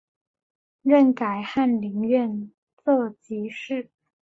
任改翰林院庶吉士。